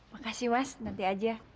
makasih mas nanti aja